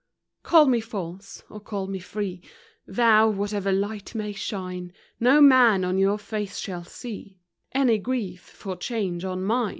Call me false, or call me free — Vow, whatever light may shine, No man on your face shall see Any grief for change on mine.